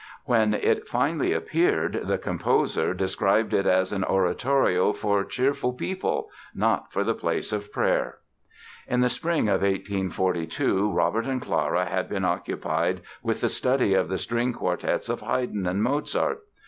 When it finally appeared the composer described it as "an oratorio for cheerful people, not for the place of prayer". In the spring of 1842 Robert and Clara had been occupied with the study of the string quartets of Haydn and Mozart.